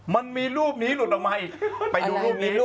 มันมีรูปนี้หลุดออกมาอีก